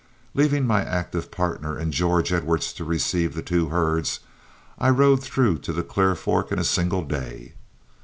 Leaving my active partner and George Edwards to receive the two herds, I rode through to the Clear Fork in a single day.